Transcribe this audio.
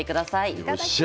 いただきます。